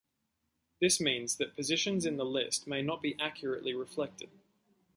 This means that positions in the list may not be accurately reflected.